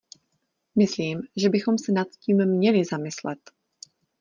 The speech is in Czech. Myslím, že bychom se nad tím měli zamyslet.